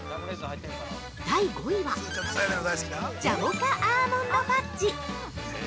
第５位はジャモカアーモンドファッジ。